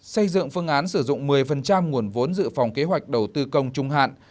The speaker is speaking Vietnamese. xây dựng phương án sử dụng một mươi nguồn vốn dự phòng kế hoạch đầu tư công trung hạn